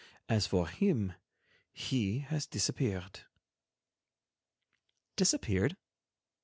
As for him, he has disappeared." "Disappeared?"